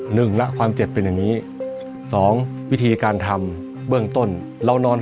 หนึ่งแล้วความเจ็บเป็นอย่างนี้สองวิธีการทำเบื้องต้นเรานอน